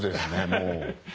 もう。